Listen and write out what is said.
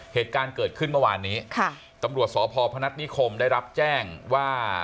เหตุการณ์เกิดขึ้นเมื่อวานนี้ค่ะตำรวจสพพนัฐนิคมได้รับแจ้งว่า